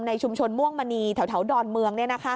ชุมชนม่วงมณีแถวดอนเมือง